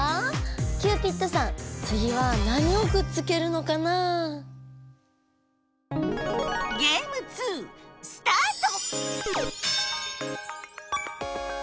キューピッドさんつぎは何をくっつけるのかな？スタート！